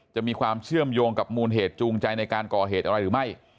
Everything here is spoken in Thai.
จะมีความเชื่อมโยงกับมูลเหตุจูงใจในการก่อเหตุอะไรหรือไม่